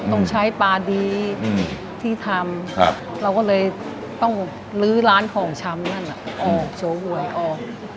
ต้องใช้ปลาดีที่ทำเราก็เลยต้องลื้อร้านของชำนั่นออกโชว์หวยออก